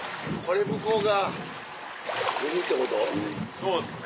そうですね。